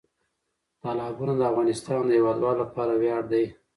تالابونه د افغانستان د هیوادوالو لپاره ویاړ دی.